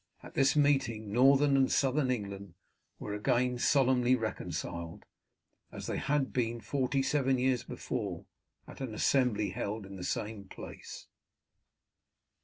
At this meeting Northern and Southern England were again solemnly reconciled, as they had been forty seven years before at an assembly held at the same place.